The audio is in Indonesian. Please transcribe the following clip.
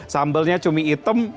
sambelnya cumi hitam